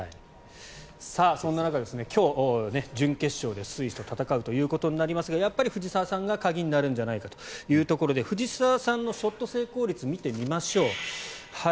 そんな中、今日、準決勝でスイスと戦うことになりますが藤澤さんが鍵になるんじゃないかということで藤澤さんのショット成功率を見てみましょう。